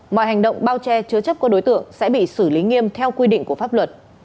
mọi hành động bao che chứa chấp của đối tượng sẽ bị xử lý nghiêm theo quy định của pháp luật